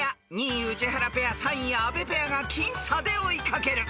［２位宇治原ペア３位阿部ペアが僅差で追いかける］